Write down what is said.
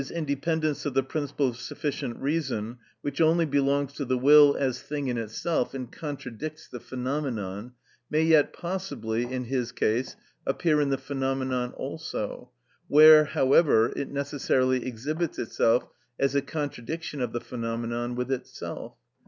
_, independence of the principle of sufficient reason, which only belongs to the will as thing in itself, and contradicts the phenomenon, may yet possibly, in his case, appear in the phenomenon also, where, however, it necessarily exhibits itself as a contradiction of the phenomenon with itself.